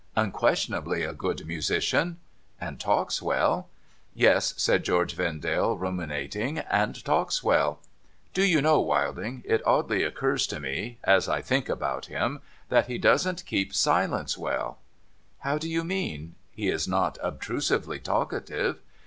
' Unquestionably a good musician.' ' And talks well.' * Yes,' said George Vendale, ruminating, ' and talks well. Do you know, \Vilding, it oddly occurs to me, as I think about him, that he doesn't keep silence well !'' How do you mean ? He is not obtrusively talkative.'